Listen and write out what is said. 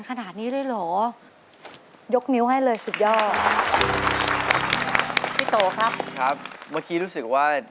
ขอบคุณค่ะ